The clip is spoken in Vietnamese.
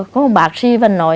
dạ bác sĩ vẫn nói